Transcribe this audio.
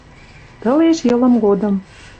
Тылеш йылым годым